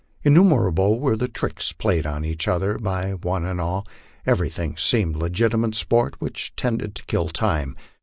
Innumerable were the tricks played on each other by one and all ; every thing seemed legitimate sport which tended to kill time.